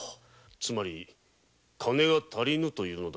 つまり金が足りぬと言うのだな。